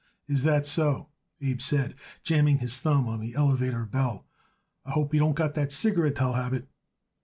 "Is that so?" Abe said, jamming his thumb on the elevator bell. "I hope he don't got the cigarettel habit."